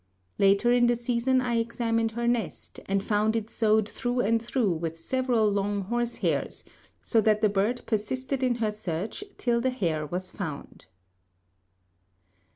Later in the season I examined her nest, and found it sewed through and through with several long horse hairs, so that the bird persisted in her search till the hair was found.